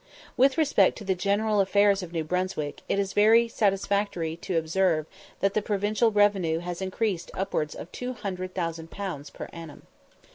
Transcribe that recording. With respect to the general affairs of New Brunswick, it is very satisfactory to observe that the provincial revenue has increased to upwards of 200,000_l._ per annum.